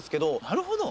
なるほど。